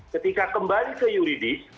ketika kembali ke yuridis ke kuhp